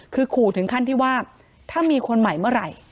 คือขู่ถึงขั้นที่ว่าถ้ามีคนใหม่เมื่อไหร่